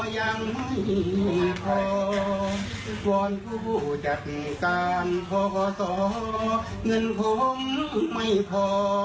อดรออีกนักกับคำว่า